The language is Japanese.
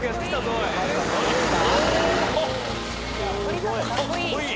おおかっこいい。